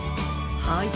はい。